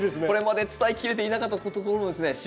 これまで伝えきれていなかったところもですね